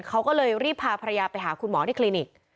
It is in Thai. เขาก็เลยรีบพาภรรยาไปหาคุณหมอที่คลินิก